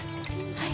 はい。